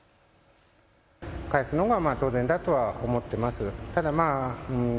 返すのが当然だとは思っています。